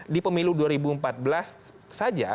di pemilu dua ribu empat belas saja